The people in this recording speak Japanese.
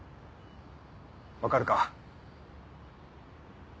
分かるか？